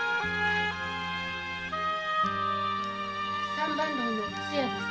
三番牢のつやです。